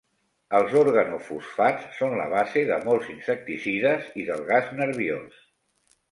Els organofosfats són la base de molts insecticides i del gas nerviós.